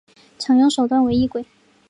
常用手段为异轨。